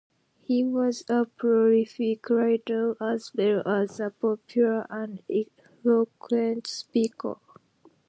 He was a prolific writer, as well as a popular and eloquent speaker.